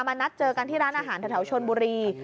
นัดเจอกันที่ร้านอาหารแถวชนบุรี